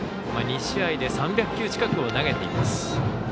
２試合で３００球近くを投げています。